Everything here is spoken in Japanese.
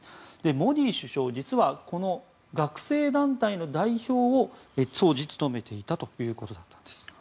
モディ首相、実はこの学生団体の代表を当時務めていたということです。